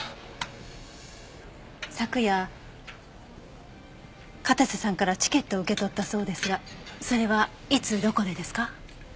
昨夜片瀬さんからチケットを受け取ったそうですがそれはいつどこでですか？